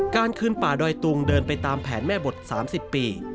การคืนป่าดอยตุงเดินไปตามแผนแม่บท๓๐ปี